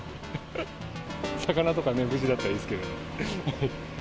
魚とかね、無事だったらいいですけど。